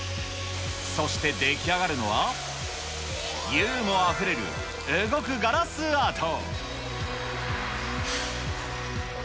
そして出来上がるのは、ユーモアあふれる動くガラスアート。